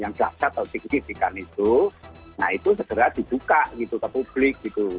nah itu segera dibuka gitu ke publik gitu